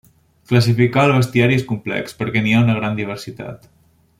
Classificar el bestiari és complex, perquè n'hi ha una gran diversitat.